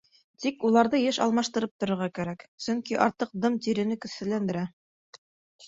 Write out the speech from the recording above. Тик уларҙы йыш алмаштырып торорға кәрәк, сөнки артыҡ дым тирене көсһөҙләндерә.